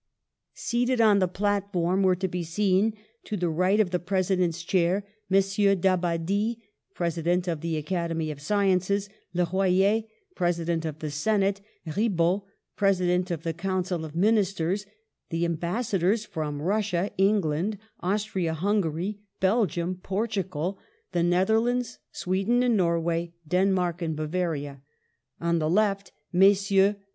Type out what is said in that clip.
Seated on the platform were to be seen, to the right of the President's chair, Messrs. d'Ab badie. President of the Academy of Sciences; Le Royer, President of the Senate; Ribot, President of the Council of Ministers ; the Am bassadors from Russia, England, Austria Hun gary, Belgium, Portugal, the Netherlands, Sweden and Norway, Denmark and Bavaria; 192 PASTEUR on the left, Messrs.